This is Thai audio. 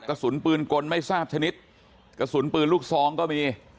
กระสุนปืนกลไม่ทราบชนิดกระสุนปืนลูกซองก็มี